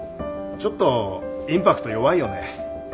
ちょっとインパクト弱いよね。